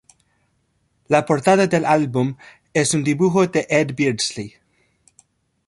La portada del álbum es un dibujo de Ed Beardsley.